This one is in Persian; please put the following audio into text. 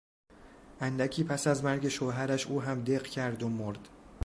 اندکی پس از مرگ شوهرش او هم دق کرد و مرد.